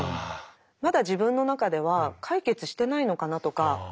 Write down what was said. まだ自分の中では解決してないのかなとか。